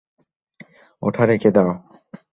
ওটা রেখে দাও।